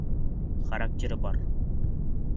Характеры бар.